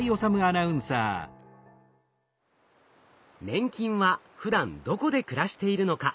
粘菌はふだんどこで暮らしているのか？